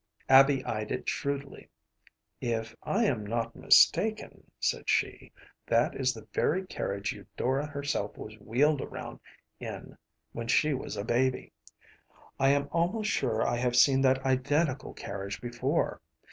Abby eyed it shrewdly. “If I am not mistaken,‚ÄĚ said she, “that is the very carriage Eudora herself was wheeled around in when she was a baby. I am almost sure I have seen that identical carriage before.